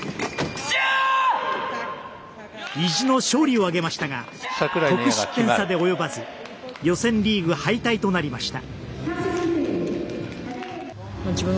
意地の勝利を挙げましたが得失点差で及ばず予選リーグ敗退となりました。